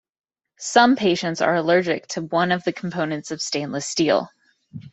Some patients are allergic to one of the components of stainless steel.